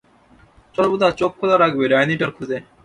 সর্বদা চোখ খোলা রাখবে ডাইনি টার খুঁজে।